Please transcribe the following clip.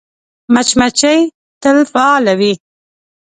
مچمچۍ تل فعاله وي